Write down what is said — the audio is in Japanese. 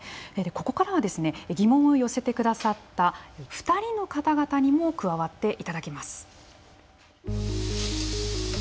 ここからは疑問を寄せてくださった２人の方々にも加わっていただきます。